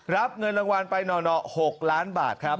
รับเงินรางวัลไปหน่อ๖ล้านบาทครับ